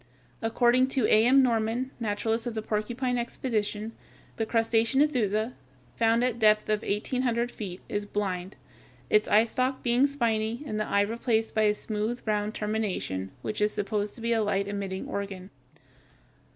According to A. M. Norman, naturalist of the Porcupine expedition, the crustacean Ethusa, found at a depth of eighteen hundred feet, is blind, its eyestalk being spiny, and the eye replaced by a smooth, round termination which is supposed to be a light emitting organ.